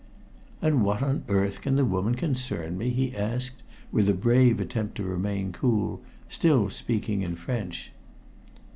"And what on earth can the woman concern me?" he asked, with a brave attempt to remain cool, still speaking in French.